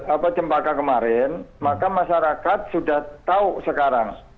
apa cempaka kemarin maka masyarakat sudah tahu sekarang